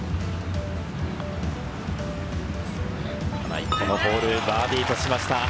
穴井、このホール、バーディーとしました。